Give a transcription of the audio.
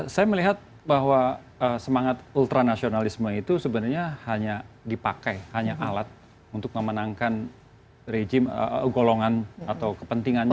saya melihat bahwa semangat ultra nasionalisme itu sebenarnya hanya dipakai hanya alat untuk memenangkan golongan atau kepentingannya